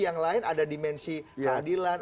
yang lain ada dimensi keadilan